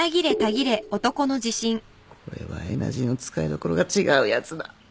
これはエナジーの使いどころが違うやつだ。